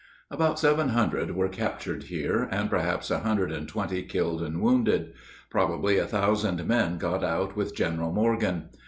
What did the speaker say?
About seven hundred were captured here, and perhaps a hundred and twenty killed and wounded. Probably a thousand men got out with General Morgan.